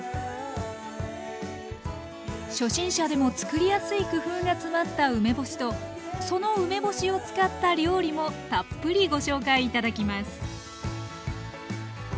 初心者でも作りやすい工夫が詰まった梅干しとその梅干しを使った料理もたっぷりご紹介頂きます